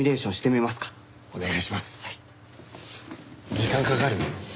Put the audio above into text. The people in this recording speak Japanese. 時間かかる？